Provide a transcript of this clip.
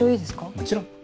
もちろん。